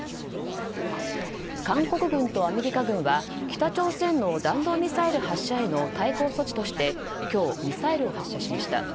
韓国軍とアメリカ軍は北朝鮮の弾道ミサイル発射への対抗措置として今日、ミサイルを発射しました。